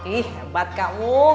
ih hebat kamu